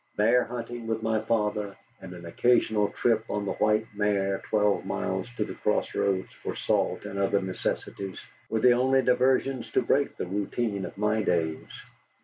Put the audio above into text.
Bear hunting with my father, and an occasional trip on the white mare twelve miles to the Cross Roads for salt and other necessaries, were the only diversions to break the routine of my days.